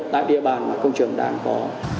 tại địa bàn mà công trường đang có